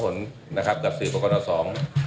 นะครับกับสิ่งปกติสอง